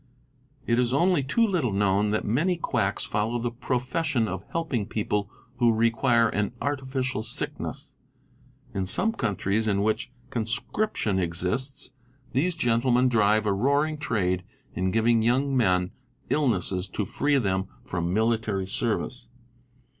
It is only too little HpowD that many quacks follow the profession of 8 RRA AL "helping people who require "an artificial sickness'. In some countries ~ in which conscription exists, these gentlemen drive a roaring trade in giving young men illnesses to free them from military service.